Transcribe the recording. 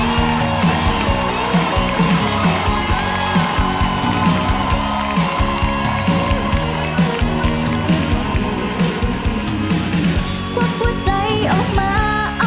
ความผู้ใจออกมา